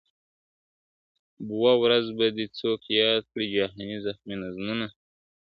بوه ورځ به دي څوک یاد کړي جهاني زخمي نظمونه !.